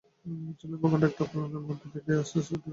ছেলেরা প্রকাণ্ড একটা অকল্যাণের ছায়া দেখিয়া আস্তে আস্তে উঠিয়া গেল।